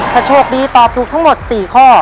ถ้าโชคดีตอบถูกทั้งหมด๔ข้อ